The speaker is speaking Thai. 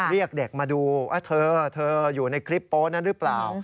เรียกเด็กมาดูว่าเธอเธออยู่ในคลิปโป๊นั้นหรือเปล่า